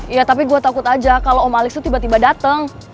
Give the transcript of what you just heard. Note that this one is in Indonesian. ya tapi gue takut aja kalau om alex itu tiba tiba datang